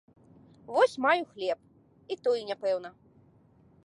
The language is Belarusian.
Вось маю хлеб, і той няпэўны.